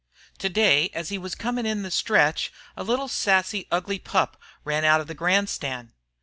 Today as he was coming in the stretch, a little, sassy, ugly pup ran out of the grandstand.